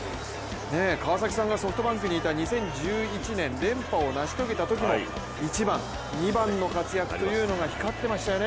川崎さんがソフトバンクにいた２０１１年連覇をなし遂げたときも１番、２番の活躍というのが光ってましたよね。